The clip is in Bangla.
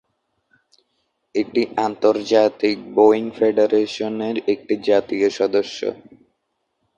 এটি আন্তর্জাতিক রোয়িং ফেডারেশনের একটি জাতীয় সদস্য।